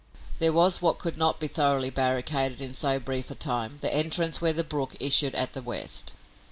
There was what could not be thoroughly barricaded in so brief a time, the entrance where the brook issued at the west.